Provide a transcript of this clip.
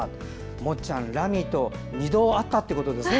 もっちゃん、ラミーと２度会ったってことですね